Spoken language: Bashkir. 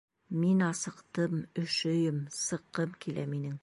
Мин асыҡтым, өшөйөм, сыҡҡым килә минең!..